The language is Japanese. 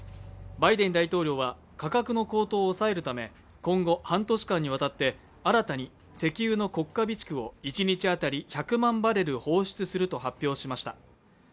バイデン大統領は価格の高騰を抑えるため今後、半年間にわたって新たに石油の国家備蓄を１日当たり１００万バレル放出すると発表しました。